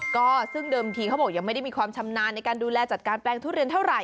ก็ซึ่งเดิมทีเขาบอกยังไม่ได้มีความชำนาญในการดูแลจัดการแปลงทุเรียนเท่าไห